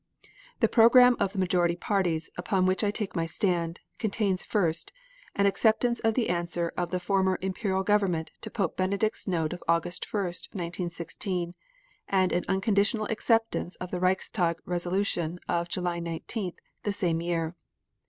The program of the majority parties, upon which I take my stand, contains first, an acceptance of the answer of the former Imperial Government to Pope Benedict's note of August 1, 1916, and an unconditional acceptance of the Reichstag resolution of July 19th, the same year.